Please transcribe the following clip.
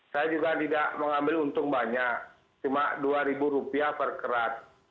saya juga tidak mengambil untung banyak cuma rp dua per kerat